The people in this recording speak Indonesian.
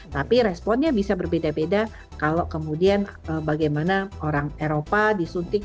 tapi responnya bisa berbeda beda kalau kemudian bagaimana orang eropa disuntik